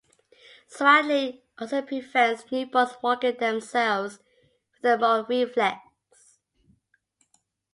Swaddling also prevents newborns waking themselves with their Moro reflex.